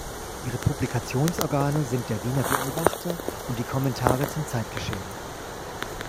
Ihre Publikationsorgane sind der "Wiener Beobachter" und die "Kommentare zum Zeitgeschehen".